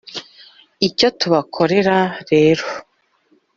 Icyo tubakorera rero